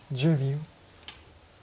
１０秒。